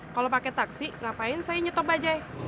kalau pake taksi ngapain saya nyetok bajaj